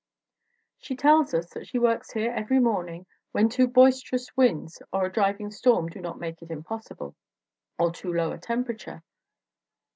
She tells us that she works here every morning when too boisterous winds or a driving storm do not make it impossible; or too low a temperature.